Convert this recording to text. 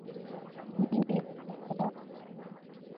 mimi pumbavu